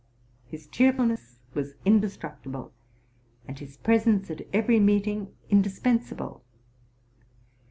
His cheerfulness was indestructible, and his presence at every meeting indispensable.